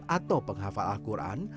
atau penghafa al quran